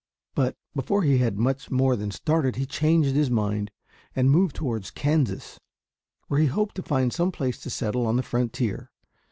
But before he had much more than started he changed his mind and moved toward Kansas, where he hoped to find some place to settle on the frontier.